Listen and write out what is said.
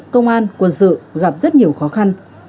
công an quân sự gặp rất nhiều khó khăn